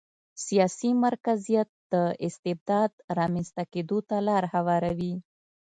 سیاسي مرکزیت د استبداد رامنځته کېدو ته لار هواروي.